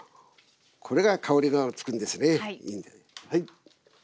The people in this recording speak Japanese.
これが香りがつくんですね。